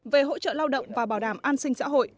về hỗ trợ lao động và bảo đảm an sinh xã hội